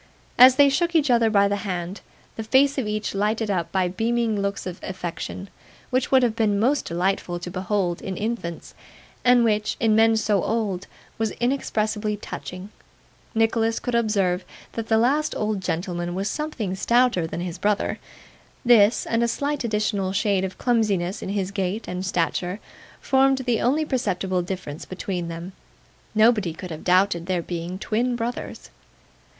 As they shook each other by the hand: the face of each lighted up by beaming looks of affection, which would have been most delightful to behold in infants, and which, in men so old, was inexpressibly touching: Nicholas could observe that the last old gentleman was something stouter than his brother; this, and a slight additional shade of clumsiness in his gait and stature, formed the only perceptible difference between them. Nobody could have doubted their being twin brothers.